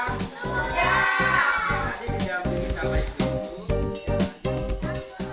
sudah membawa sampah